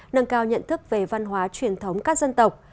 nâng cao nhận thức về văn hóa truyền thống các dân tộc